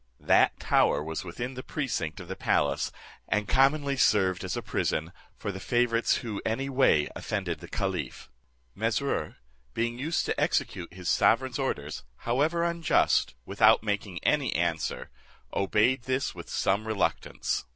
That tower was within the precinct of the palace, and commonly served as a prison for the favourites who any way offended the caliph. Mesrour being used to execute his sovereign's orders, however unjust, without making any answer, obeyed this with some reluctance.